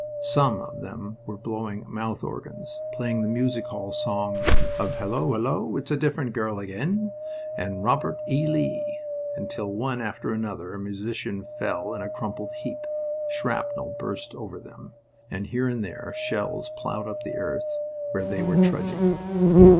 Some of them were blowing mouth organs, playing the music hall song of "Hullo, hullo, it's a different girl again!" and the "Robert E. Lee," until one after another a musician fell in a crumpled heap. Shrapnel burst over them, and here and there shells plowed up the earth where they were trudging.